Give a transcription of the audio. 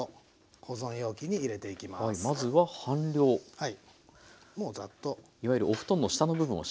はい。